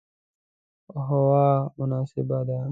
هوا مناسبه ده